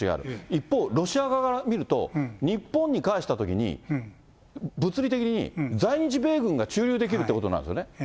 一方、ロシア側から見ると、日本に返したときに、物理的に、在日米軍が駐留できるということになるわけですね。